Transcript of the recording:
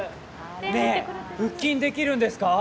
腹筋できるんですか？